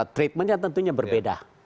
treatmentnya tentunya berbeda